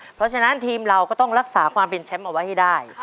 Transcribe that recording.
เพราะฉะนั้นทีมเราก็ต้องรักษาความเป็นแชมป์เอาไว้ให้ได้